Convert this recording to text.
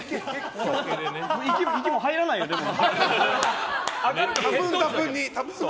息も入らないよね、もう。